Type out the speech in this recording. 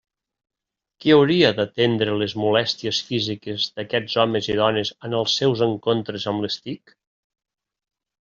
Qui hauria d'atendre les molèsties físiques d'aquests homes i dones en els seus encontres amb les TIC?